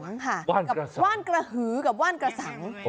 ว่านกระสังว่านกระหือกับว่านกระสัง